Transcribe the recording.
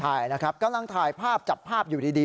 ใช่นะครับกำลังถ่ายภาพจับภาพอยู่ดี